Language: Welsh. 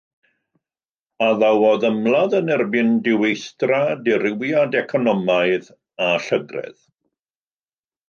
Addawodd ymladd yn erbyn diweithdra, dirywiad economaidd a llygredd.